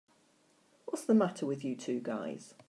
What's the matter with you two guys?